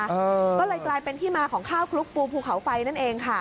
ก็เลยกลายเป็นที่มาของข้าวคลุกปูภูเขาไฟนั่นเองค่ะ